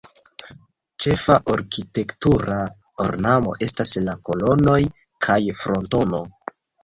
Ĉefa arkitektura ornamo estas la kolonoj kaj frontono.